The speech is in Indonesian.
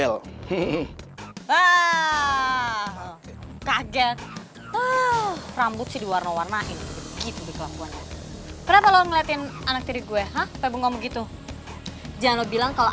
lagi pada nungguin siapa